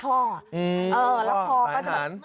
อือท่อหายหาญ